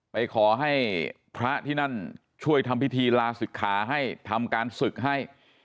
ไปขอให้พระที่นั่นช่วยทำพิธีลาศิกขาให้ทำการศึกให้